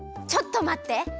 ちょっとまって！